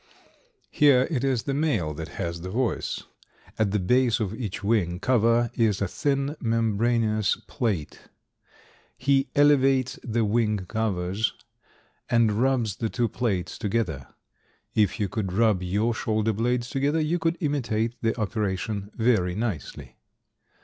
Here it is the male that has the voice. At the base of each wing cover is a thin membraneous plate. He elevates the wing covers, and rubs the two plates together. If you could rub your shoulder blades together you could imitate the operation very nicely.